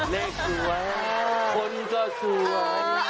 เลขสวยคนก็สวย